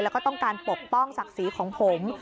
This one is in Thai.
แล้วก็ต้องการปกป้องศักดิ์ศรีของผม